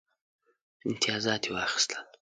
امتیازات یې واخیستل.